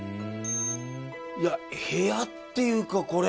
いや部屋っていうかこれ。